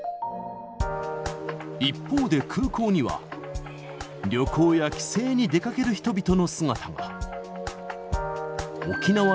一方で空港には、旅行や帰省に出かける人々の姿が。